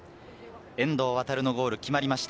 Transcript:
遠藤航のゴール、決まりました。